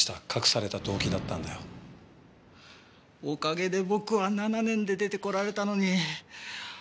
おかげで僕は７年で出てこられたのに。